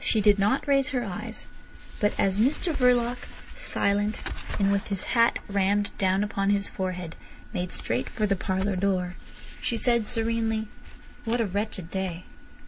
She did not raise her eyes, but as Mr Verloc, silent, and with his hat rammed down upon his forehead, made straight for the parlour door, she said serenely: "What a wretched day.